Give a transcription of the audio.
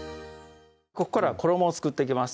ここから衣を作っていきます